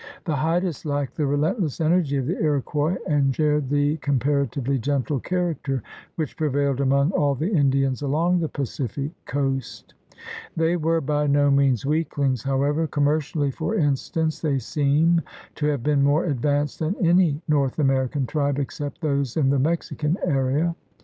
The Haidas lacked the relentless energy of the Iroquois and shared the compara tively gentle character which prevailed among all the Indians along the Pacific Coast. They were by no means weaklings, however. Commercially, for instance, they seem to have been more advanced than any North American tribe except those in the Mexican area.